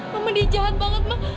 mama dia jahat banget ma